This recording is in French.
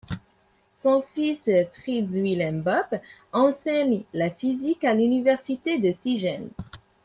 Son fils Fritz-Wilhelm Bopp enseigne la physique à l’Université de Siegen.